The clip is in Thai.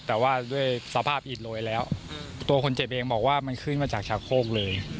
แต่ว่าด้วยสภาพอิดโรยแล้วตัวคนเจ็บเองบอกว่ามันขึ้นมาจากชาโคกเลย